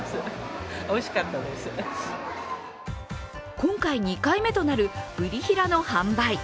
今回２回目となるブリヒラの販売